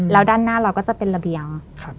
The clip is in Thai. แล้วด้านหน้าเราก็จะเป็นระเบียง